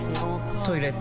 トイレ